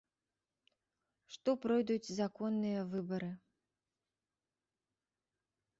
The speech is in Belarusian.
Што пройдуць законныя выбары?